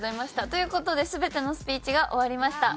という事で全てのスピーチが終わりました。